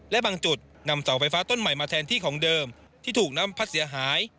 และบางจุดนำเสาไฟฟ้าต้นใหม่มาแทนที่ของเดิมที่ถูกน้ำพัดเสียหาย